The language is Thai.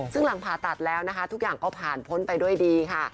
ซึ่งหลังผ่าตัดแล้วนะคะเสร็จถึงพันธุ์เอยผ่านพ้นได้ด้วยดีค่ะ